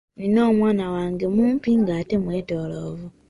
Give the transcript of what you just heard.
Nnina omwana wange mumpi ng'ate mwetooloovu.